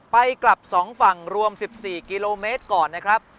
ไปกลับ๒ฝั่งรวม๑๔กิโลเมตรก่อนนะครับ